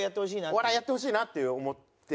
お笑いやってほしいなって思って。